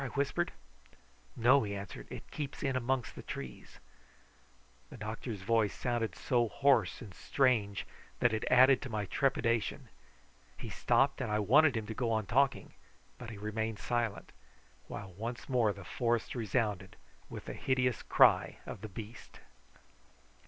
I whispered. "No," he answered; "it keeps in amongst the trees." The doctor's voice sounded so hoarse and strange that it added to my trepidation. He stopped, and I wanted him to go on talking, but he remained silent, while once more the forest resounded with the hideous cry of the beast.